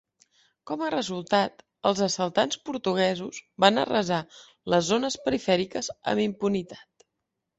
Com a resultat, els assaltants portuguesos van arrasar les zones perifèriques amb impunitat.